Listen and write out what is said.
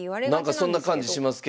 なんかそんな感じしますけども。